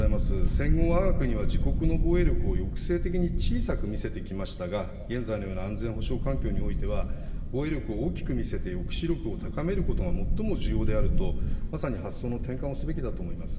戦後、わが国は自国の防衛力を抑制的に小さく見せてきましたが、現在のような安全保障環境においては、防衛力を大きく見せて抑止力を高めることが最も重要であると、まさに発想の転換をすべきだと思います。